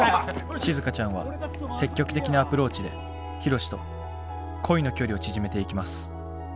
しずかちゃんは積極的なアプローチでヒロシと恋の距離を縮めていきます。